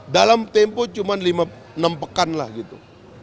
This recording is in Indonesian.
dalam tempo cuma enam pekan lah gitu